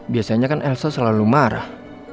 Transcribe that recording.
biasanya kan elsa selalu marah